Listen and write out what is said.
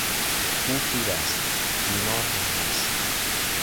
او پیر است; بیمار هم هست.